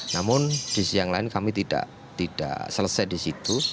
namun di siang lain kami tidak selesai di situ